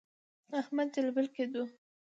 احمد جلبل کېدو.